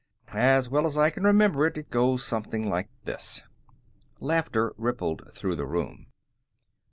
"As well as I can remember it, it goes something like this." Laughter rippled through the room.